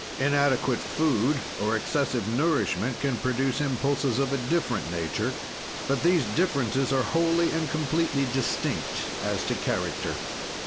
Inadequate food or excessive nourishment can produce impulses of a different nature, but these differences are wholly and completely distinct as to character.